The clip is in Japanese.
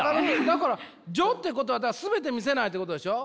だから「序」ってことは全て見せないってことでしょ？